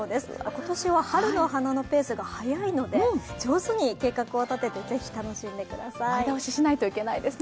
今年は春の花のペースが早いので上手に計画を立てて、ぜひ楽しんでください。